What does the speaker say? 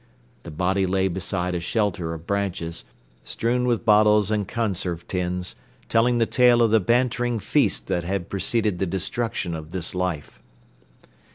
The body lay beside a shelter of branches, strewn with bottles and conserve tins, telling the tale of the bantering feast that had preceded the destruction of this life.